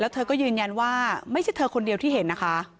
เธอก็ยืนยันว่าไม่ใช่เธอคนเดียวที่เห็นนะคะ